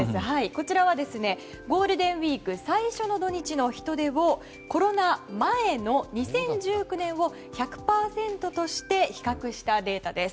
こちらはゴールデンウィーク最初の土日の人出をコロナ前の２０１９年を１００％として比較したデータです。